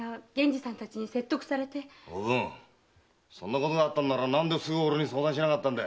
おぶんそんなことがあったなら何で俺に相談しなかったんだ？